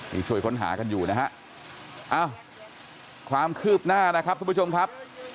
นี่ช่วยค้นหากันอยู่นะฮะเอ้าความคืบหน้านะครับทุกผู้ชมครับ